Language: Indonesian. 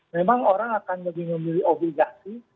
memang orang akan lebih memilih obligasi